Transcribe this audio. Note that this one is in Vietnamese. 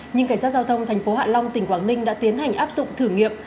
nhưng cảnh sát giao thông tp hạ long tỉnh quảng ninh đã tiến hành áp dụng thử nghiệm